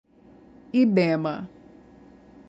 Ibema